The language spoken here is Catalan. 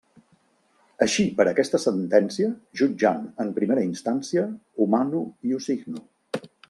Així per aquesta sentència, jutjant en primera instància, ho mano i ho signo.